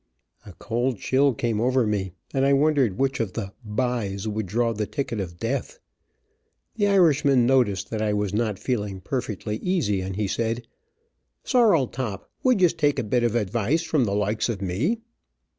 A cold chill came over me, and I wondered which of of the "by's" would draw the ticket of death. The Irishman noticed that I was not feeling perfectly easy, and he said, "Sorrel top, wud yez take a bit of advice from the loikes of me?"